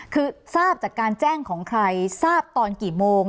คือทราบจากการแจ้งของใครทราบตอนกี่โมง